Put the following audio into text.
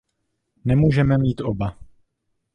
Nemůžeme mít oba.